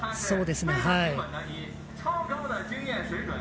そうですね。